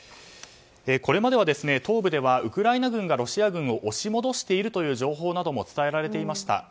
これまでは東部ではウクライナ軍がロシア軍を押し戻しているという情報なども伝えられていました。